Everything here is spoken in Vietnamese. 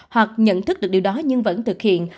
hoặc nhận thức được điều đó nhưng vẫn thực hiện